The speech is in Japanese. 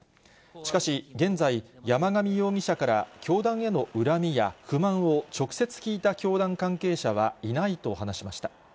しかし、現在、山上容疑者から教団への恨みや不満を直接聞いた教団関係者はいないと話しました。